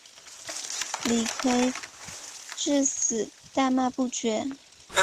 李圭至死大骂不绝。